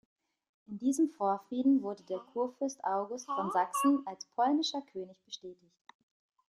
In diesem Vorfrieden wurde der Kurfürst August von Sachsen als polnischer König bestätigt.